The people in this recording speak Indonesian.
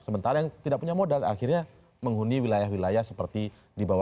sementara yang tidak punya modal akhirnya menghuni wilayah wilayah seperti di bawah